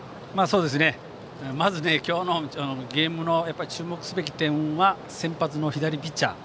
まず、今日のゲームの注目すべき点は先発の左ピッチャー。